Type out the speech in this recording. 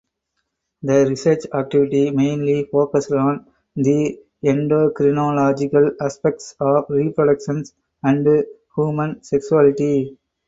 The research activity mainly focused on the endocrinological aspects of reproduction and human sexuality.